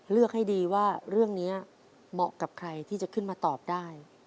เลือกให้ดีว่าเรื่องนี้เหมาะกับใครที่จะขึ้นมาตอบได้